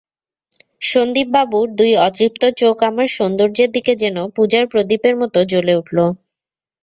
সন্দীপবাবুর দুই অতৃপ্ত চোখ আমার সৌন্দর্যের দিকে যেন পূজার প্রদীপের মতো জ্বলে উঠল।